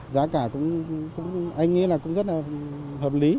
giá cả cũng anh nghĩ là cũng rất là hợp lý